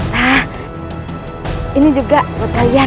nah ini juga untuk kalian